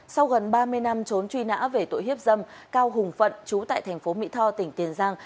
sau gần ba mươi năm trốn truy nã về tội hiếp dâm cao hùng phận chú tại thành phố mỹ tho tỉnh tiền giang